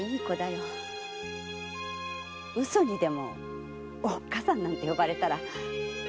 嘘にでも「おっかさん」なんて呼ばれたら。